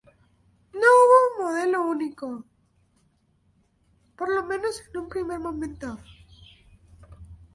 No hubo un modelo único, por lo menos en un primer momento.